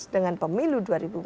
dengan pemilu dua ribu empat belas